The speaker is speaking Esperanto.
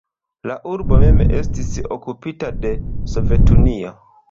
La urbo mem estis okupita de Sovetunio.